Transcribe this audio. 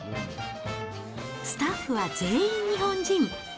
スタッフは全員日本人。